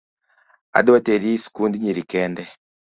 Adwa teri sikund nyiri kende